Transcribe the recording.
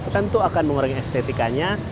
tentu akan mengurangi estetikanya